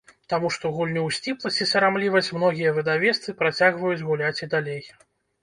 Таму што гульню ў сціпласць і сарамлівасць многія выдавецтвы працягваюць гуляць і далей.